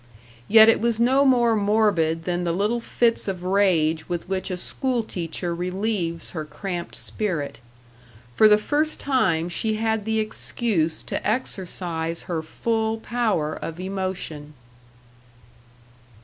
Yet it was no more morbid than the little fits of rage with which a school teacher relieves her cramped spirit. For the first time she had the excuse to exercise her full power of emotion.